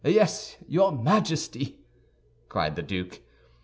Yes, your Majesty!" cried the duke.